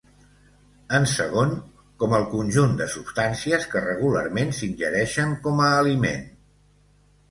En segon, com el «conjunt de substàncies que regularment s’ingereixen com a aliment».